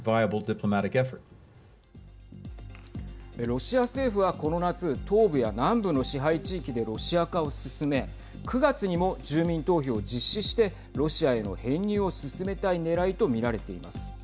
ロシア政府は、この夏東部や南部の支配地域でロシア化を進め９月にも住民投票を実施してロシアへの編入を進めたいねらいと見られています。